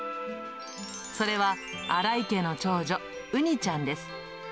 それは、荒井家の長女、うにちゃんです。